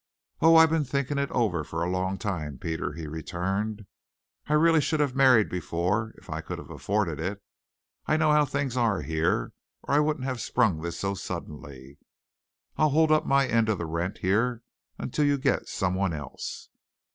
"Oh, I've been thinking it over for a long time, Peter," he returned. "I should really have married before if I could have afforded it. I know how things are here or I wouldn't have sprung this so suddenly. I'll hold up my end on the rent here until you get someone else."